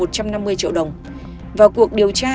một trăm năm mươi triệu đồng vào cuộc điều tra